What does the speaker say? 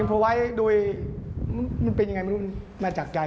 อิมโปรไวท์ด้วยมันเป็นยังไงไม่รู้มาจากใจ